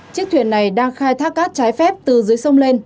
chiếc thuyền này đang khai thác cát trái phép từ dưới sông lên